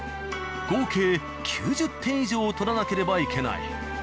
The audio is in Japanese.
合計９０点以上を取らなければいけない。